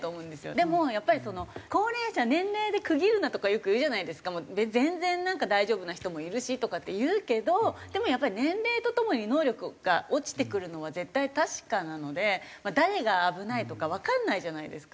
でもやっぱり高齢者年齢で区切るなとかよく言うじゃないですか全然大丈夫な人もいるしとかって言うけどでもやっぱり年齢とともに能力が落ちてくるのは絶対確かなので誰が危ないとかわかんないじゃないですか。